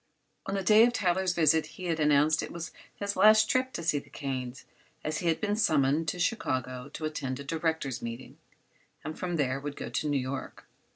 On the day of Tyler's visit he had announced it was his last trip to see the Kanes, as he had been summoned to Chicago to attend a directors' meeting and from there would go on to New York.